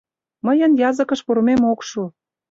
Мыйын языкыш пурымем ок шу.